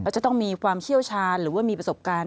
จะต้องมีความเชี่ยวชาญหรือว่ามีประสบการณ์